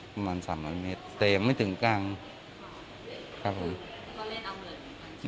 ประมาณสามน้อยเมตรแต่ยังไม่ถึงกลางครับผมคือเราเล่นเอาเมล็ด